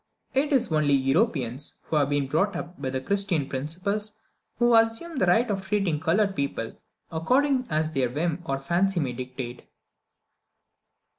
It is only Europeans, who have been brought up with Christian principles, who assume the right of treating coloured people according as their whim or fancy may dictate.